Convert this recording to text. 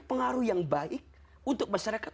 pengaruh yang baik untuk masyarakat